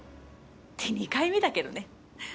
って２回目だけどね。